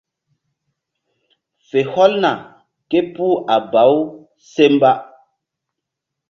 Fe hɔlna képuh a baw se mba.